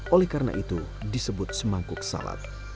oleh karena itu disebut semangkuk salat